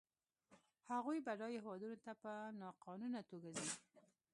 هغوی بډایو هېوادونو ته په ناقانونه توګه ځي.